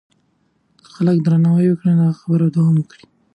که خلک درناوی وکړي خبرې به دوام وکړي.